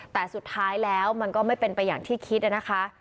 แต่สุดท้ายแล้วมันก็ไม่เป็นไปอย่างที่คิดนะคะ